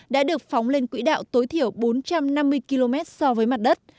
đã được phóng lên quỹ đạo tối thiểu bốn trăm năm mươi km so với mặt đất